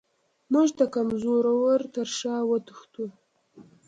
موږ د کمزورو تر شا وتښتو.